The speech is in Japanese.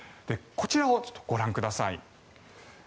こちらをご覧ください。